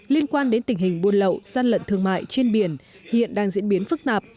liên quan đến tình hình buôn lậu gian lận thương mại trên biển hiện đang diễn biến phức tạp